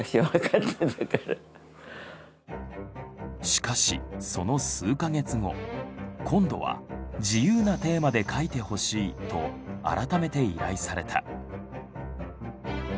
しかしその数か月後今度は「自由なテーマで描いてほしい」と改めて依頼された。